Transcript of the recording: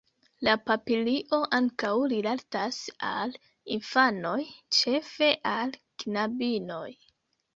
La papilio ankaŭ rilatas al infanoj, ĉefe al knabinoj.